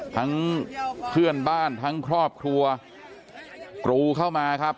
ทั้งเพื่อนบ้านทั้งครอบครัวกรูเข้ามาครับ